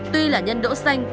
tuy là nhân đỗ xanh